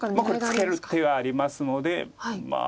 これツケる手がありますのでまあ。